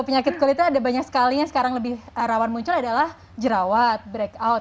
penyakit kulitnya ada banyak sekali yang sekarang lebih rawan muncul adalah jerawat break out